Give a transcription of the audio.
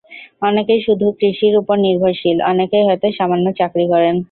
অনেকেই শুধু কৃষির ওপর নির্ভরশীল, অনেকেই হয়তো সামান্য চাকরি করেন।